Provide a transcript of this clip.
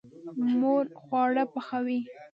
مور خواړه پخوي.